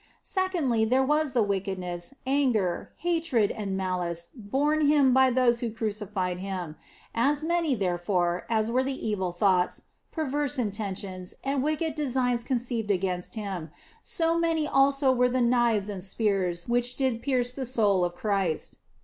Secondly, there was the wickedness, anger, hatred, and malice borne Him by those who crucified Him. As many, therefore, as were the evil thoughts, perverse in tentions, and wicked designs conceived against Him, so OF FOLIGNO 79 many also were the knives and spears which did pierce the soul of Christ.